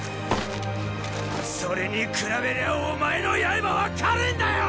それに比べりゃお前の刃は軽いんだよ！